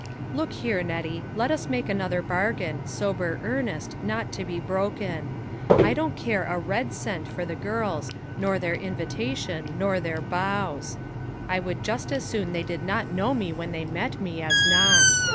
Look here, Nettie, let us make another bargain, sober earnest, not to be broken. I don't care a red cent for the girls, nor their invitations, nor their bows ; I would just as soon they did not know me when they met me as not.